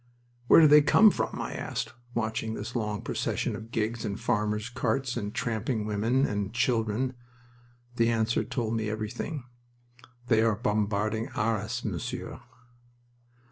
"Where do they come from?" I asked, watching this long procession of gigs and farmers' carts and tramping women and children. The answer told me everything. "They are bombarding Arras, m'sieur."